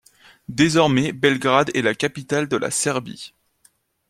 Désormais Belgrade est la capitale de la Serbie.